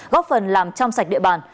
góp phần làm trong sạch địa bàn